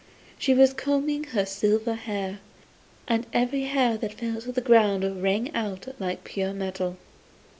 She was combing her silver hair, and every hair that fell on the ground rang out like pure metal.